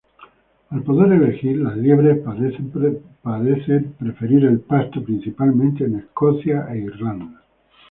Al poder elegir, las liebres parecen preferir el pasto, principalmente en Escocia e Irlanda.